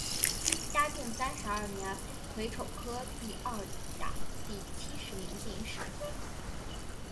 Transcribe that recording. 嘉靖三十二年癸丑科第二甲第七十名进士。